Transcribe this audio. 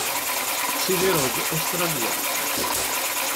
Ttidireɣ deg Ustralia.